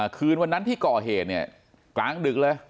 คืนวันนั้นที่ก่อเหตุเนี่ยกลางดึกเลย